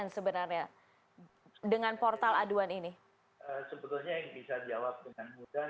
sebetulnya yang bisa jawab dengan mudah